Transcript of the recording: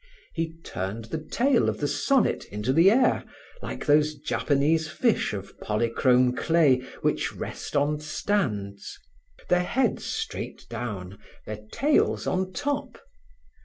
He turned the tail of the sonnet into the air, like those Japanese fish of polychrome clay which rest on stands, their heads straight down, their tails on top.